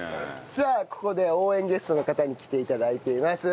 さあここで応援ゲストの方に来ていただいています。